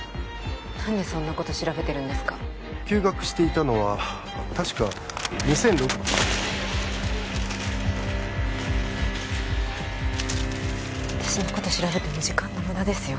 何でそんなこと調べてるんですか休学していたのは確か２００６私のこと調べても時間の無駄ですよ